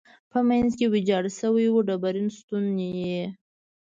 په منځ کې ویجاړ شوی و، ډبرین ستون یې.